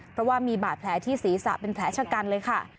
เพราะว่ามีบาดแผลที่ศีรษะเป็นแผลชะกันเลยค่ะ